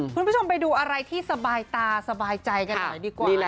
คุณผู้ชมไปดูอะไรที่สบายตาสบายใจกันหน่อยดีกว่า